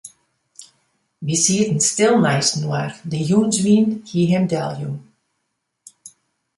Wy sieten stil neistinoar, de jûnswyn hie him deljûn.